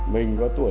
mình có tuổi